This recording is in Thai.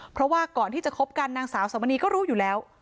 เพราะว่าก่อนที่จะคบกันนางสาวสมณีก็รู้อยู่แล้ว